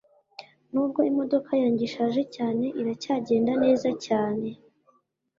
Nubwo imodoka yanjye ishaje cyane, iracyagenda neza cyane.